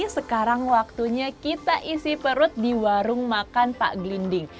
sekarang waktunya kita isi perut di warung makan pak gelinding